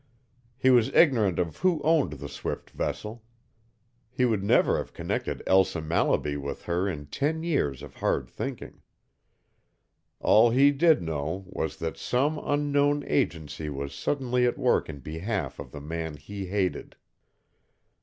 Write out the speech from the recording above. He was ignorant of who owned the swift vessel. He would never have connected Elsa Mallaby with her in ten years of hard thinking. All he did know was that some unknown agency was suddenly at work in behalf of the man he hated.